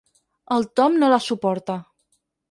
El Tom no la suporta.